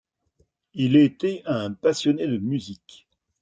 Il était un passionné de musique.